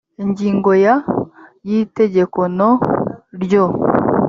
ingingo ya… y’itegeko no…ryo